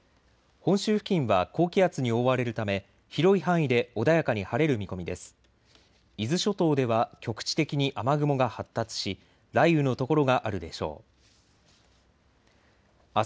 本州付近は高気圧に覆われるため広い範囲で穏やかに晴れる見込みです。